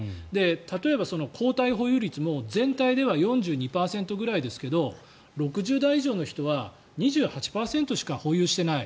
例えば抗体保有率も全体では４２％ぐらいですけど６０代以上の人は２８％しか保有してない。